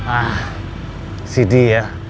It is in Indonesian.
ah si dia